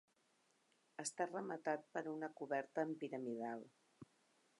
Està rematat per una coberta en piramidal.